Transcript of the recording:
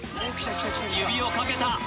指をかけた。